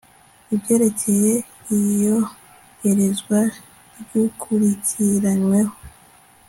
ibyerekeye iyoherezwa ry ukurikiranyweho